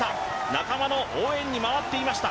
仲間の応援に回っていました。